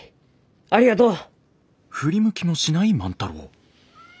ありがとう！